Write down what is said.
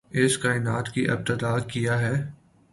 اس کائنات کی ابتدا کیا ہے؟